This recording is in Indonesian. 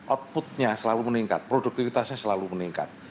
outputnya selalu meningkat produktivitasnya selalu meningkat